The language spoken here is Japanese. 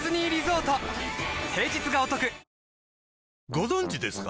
ご存知ですか？